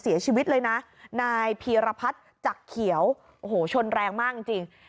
เสียชีวิตเลยนะนายพีรพัฒน์จักรเขียวโอ้โหชนแรงมากจริงจริง